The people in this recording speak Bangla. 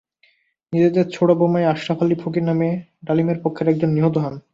নিজেদের ছোড়া বোমায় আশরাফ আলী ফকির নামের ডালিমের পক্ষের একজন নিহত হন।